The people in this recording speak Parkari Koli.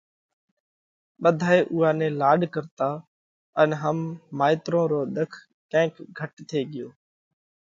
ٻڌائي اُوئا نئہ لاڏ ڪرتا ان هم مائيترون رو ۮک ڪينڪ گھٽ ٿي ڳيو۔